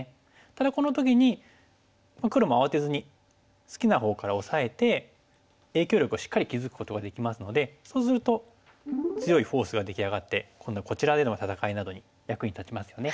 ただこの時に黒も慌てずに好きなほうからオサえて影響力をしっかり築くことができますのでそうすると強いフォースが出来上がって今度はこちらでの戦いなどに役に立ちますよね。